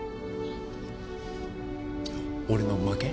俺の負け。